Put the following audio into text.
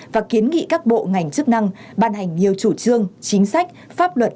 và kiến nghị các bộ ngành chức năng ban hành nhiều chủ trương chính sách pháp luật